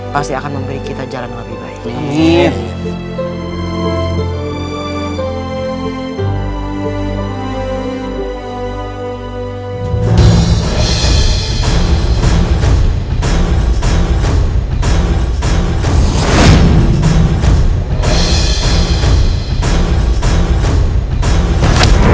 pasti akan memberi kita jalan lebih baik